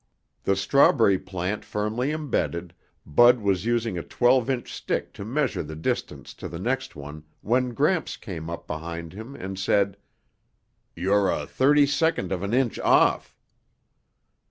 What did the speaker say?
The strawberry plant firmly imbedded, Bud was using a twelve inch stick to measure the distance to the next one when Gramps came up behind him and said, "You're a thirty second of an inch off."